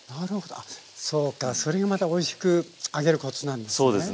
あそうかそれがまたおいしく揚げるコツなんですね。